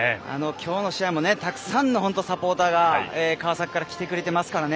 きょうの試合もたくさんのサポーターが川崎から来てくれてますからね。